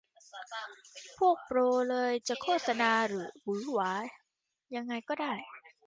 พวกโปรเลยจะโฆษณาหวือหวายังไงก็ได้